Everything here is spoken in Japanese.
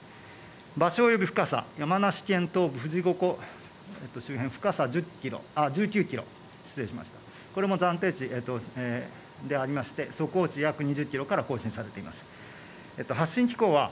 場所および深さ、山梨県東部富士五湖周辺深さ１９キロ、これは暫定値でありまして速報値、約２０キロから更新されています。